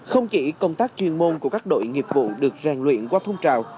không chỉ công tác chuyên môn của các đội nghiệp vụ được rèn luyện qua phong trào